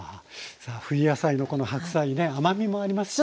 さあ冬野菜のこの白菜ね甘みもありますしね。